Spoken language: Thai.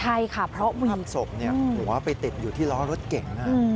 ใช่ค่ะเพราะว่าไปเต็บอยู่ที่ร้อรถเก๋ง